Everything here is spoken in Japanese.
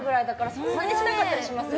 そんなにしなかったりしますよね。